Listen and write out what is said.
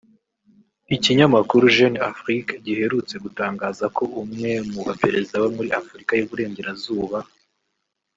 Ikinyamakuru Jeune Afrique giherutse gutangaza ko umwe mu baperezida bo muri Afurika y’Uburengerazuba